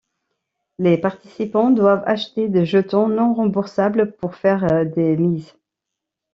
Les participants doivent acheter des jetons non remboursables pour faire des mises.